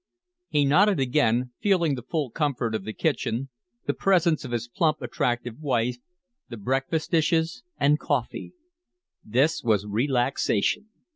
He nodded again, feeling the full comfort of the kitchen, the presence of his plump, attractive wife, the breakfast dishes and coffee. This was relaxation.